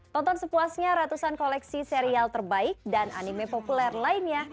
tonton sepuasnya ratusan koleksi serial terbaik dan anime populer lainnya